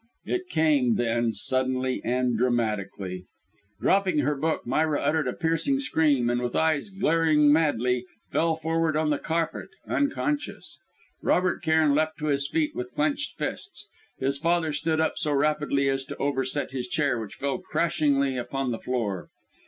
It came, then, suddenly and dramatically. Dropping her book, Myra uttered a piercing scream, and with eyes glaring madly, fell forward on the carpet, unconscious! Robert Cairn leapt to his feet with clenched fists. His father stood up so rapidly as to overset his chair, which fell crashingly upon the floor.